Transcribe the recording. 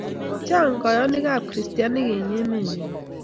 Chang' kayonikab kristianik eng' emenyo